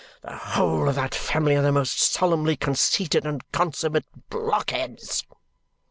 The whole of that family are the most solemnly conceited and consummate blockheads!